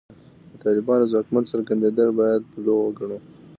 د طالبانو ځواکمن څرګندېدل باید بلوغ وګڼو.